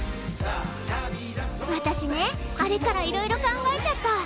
私ねあれからいろいろ考えちゃった。